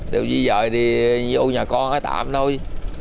điều gì dợi đi vô nhà con ở tạm thôi